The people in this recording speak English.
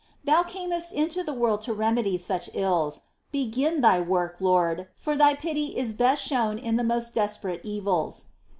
Thou camest into the world to remedy such ills ; begin Thy work. Lord, for Thy pity is best shown in the most desperate evils.